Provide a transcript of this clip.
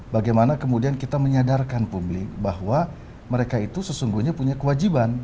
bagaimana kemudian kita menyadarkan publik bahwa mereka itu sesungguhnya punya kewajiban